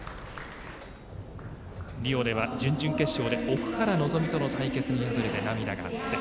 リオでは準々決勝で奥原希望との対戦で涙があった。